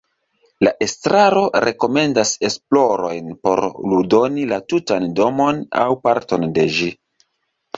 La estraro rekomendas esplorojn por ludoni la tutan domon aŭ parton de ĝi.